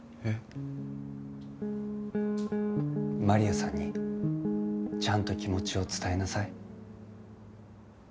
マリアさんにちゃんと気持ちを伝えなさい。